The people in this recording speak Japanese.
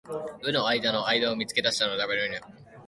私は実に先生をこの雑沓（ざっとう）の間（あいだ）に見付け出したのである。